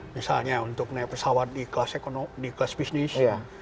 misalnya untuk naik pesawat di kelas bisnis